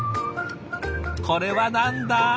これは何だ？